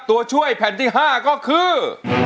ตัวช่วยแผ่นที่๕ก็คือ